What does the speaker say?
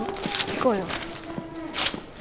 行こうよ。